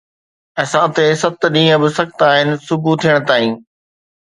اسان تي ست ڏينهن به سخت آهن صبح ٿيڻ تائين